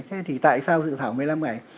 thế thì tại sao dự thảo một mươi năm ngày